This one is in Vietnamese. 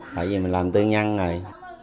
tại vì mình làm tư nhân rồi